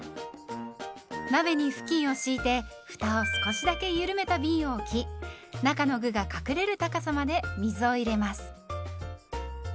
鍋に布巾を敷いてふたを少しだけゆるめたびんを置き中の具が隠れる高さまで水を入れます。